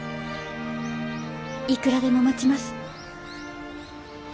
いくらでも待ちます。